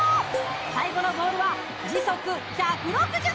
最後のボールは時速１６０ｋｍ！